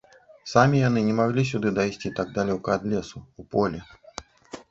Самі яны не маглі сюды дайсці так далёка ад лесу, у поле.